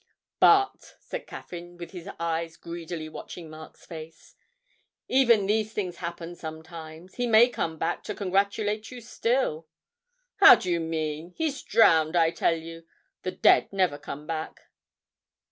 'But,' said Caffyn, with his eyes greedily watching Mark's face, 'even these things happen sometimes; he may come back to congratulate you still.' 'How do you mean? He's drowned, I tell you ... the dead never come back!'